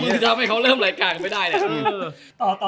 มึงทำให้เขาเริ่มรายการไปได้เลย